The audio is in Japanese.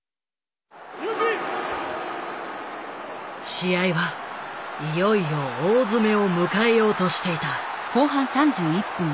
試合はいよいよ大詰めを迎えようとしていた。